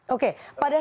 oke pada saat